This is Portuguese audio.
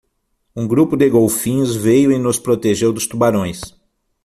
Um grupo de golfinhos veio e nos protegeu dos tubarões.